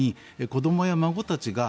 子どもや孫たちが